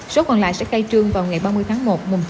số còn lại sẽ cây trương vào ngày ba mươi tháng một